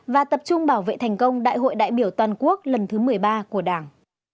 và tập trung bảo vệ thành công đại hội đại biểu toàn quốc lần thứ một mươi ba của đảng